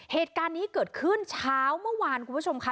เหตุการณ์นี้เกิดขึ้นเช้าเมื่อวานคุณผู้ชมค่ะ